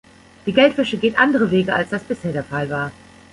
Die Geldwäsche geht andere Wege, als das bisher der Fall war.